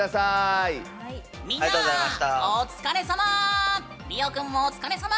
みんなお疲れさま。